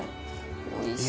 おいしい。